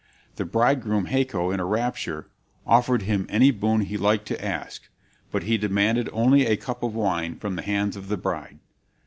The bridegroom, Haco, in a rapture offered him any boon he liked to ask, but he demanded only a cup of wine from the hands of the bride.